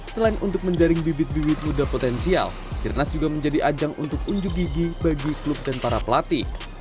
selain untuk menjaring bibit bibit muda potensial sirnas juga menjadi ajang untuk unjuk gigi bagi klub dan para pelatih